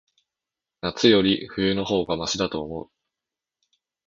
夏より、冬の方がましだと思う。